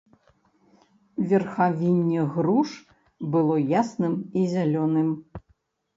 Верхавінне груш было ясным і зялёным.